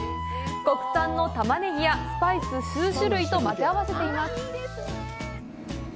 国産のタマネギや、スパイス数種類と混ぜ合わせています。